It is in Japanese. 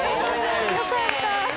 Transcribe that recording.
よかった。